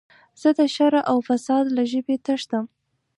زه د شر او فساد له ژبې تښتم.